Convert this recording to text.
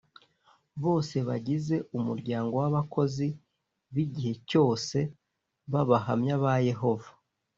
bose bagize umuryango w’abakozi b’igihe cyose b’abahamya ba yehova